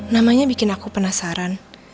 namanya bikin aku penasaran